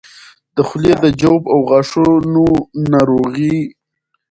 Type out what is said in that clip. د خولې د جوف او غاښونو ناروغۍ